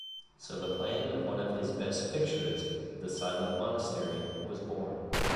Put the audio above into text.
So the plan of one of his best pictures, "The Silent Monastery", was born.